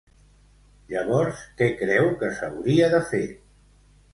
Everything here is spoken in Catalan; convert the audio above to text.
Llavors què creu que s'hauria de fer?